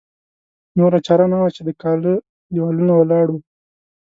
نوره چاره نه وه چې د کاله دېوالونه ولاړ وو.